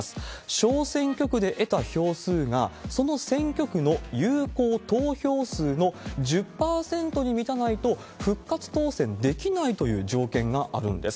小選挙区で得た票数が、その選挙区の有効投票数の１０％に満たないと、復活当選できないという条件があるんです。